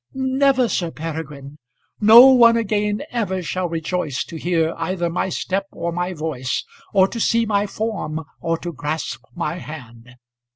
"Never, Sir Peregrine. No one again ever shall rejoice to hear either my step or my voice, or to see my form, or to grasp my hand.